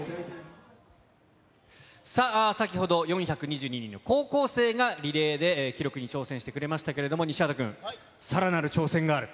さあ、先ほど４２２人の高校生がリレーで記録に挑戦してくれましたけれども、西畑君、さらなる挑戦がある？